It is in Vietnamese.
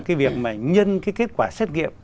cái việc mà nhân cái kết quả xét nghiệm